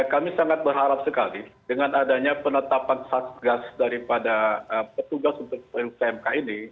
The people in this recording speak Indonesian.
kami sangat berharap sekali dengan adanya penetapan satgas daripada petugas untuk pmk ini